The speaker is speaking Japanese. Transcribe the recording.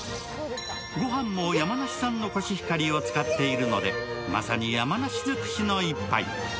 ごはんも山梨産のコシヒカリを使っているのでまさに山梨尽くしの１杯。